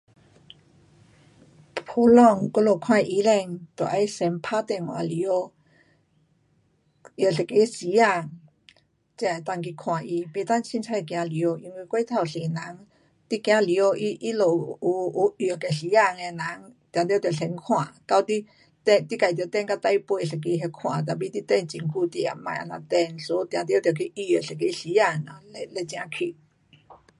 普通我们看医生得要先打电话里内，约一个时间，才能够去看他，不能随便走进去，因为过头多人，你走进去他们有约的时间的人定得要先看，到你，你自得等到最后一个那看，tapi 你等很久，你也别这样等，so 定得得去预约一个时间了，了才去。